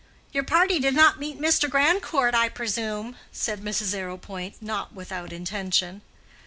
"Your party did not meet Mr. Grandcourt, I presume," said Mrs. Arrowpoint, not without intention.